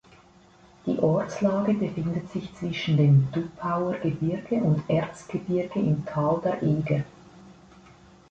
Die Ortslage befindet sich zwischen dem Duppauer Gebirge und Erzgebirge im Tal der Eger.